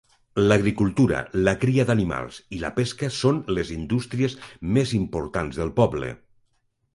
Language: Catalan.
L'agricultura, la cria d'animals i la pesca són les indústries més importants del poble.